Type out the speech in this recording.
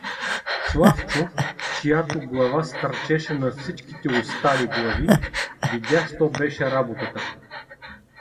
Славчо, чиято глава стърчеше над всичките остали глави, видя що беше работата.